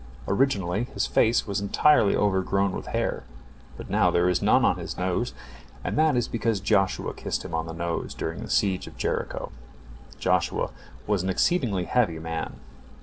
Originally his face was entirely overgrown with hair, but now there is none on his nose, and that is because Joshua kissed him on his nose during the siege of Jericho. Joshua was an exceedingly heavy man.